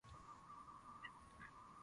sasa na kisha tu kukaa mahali fulani